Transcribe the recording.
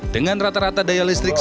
dengan rata rata daya listrik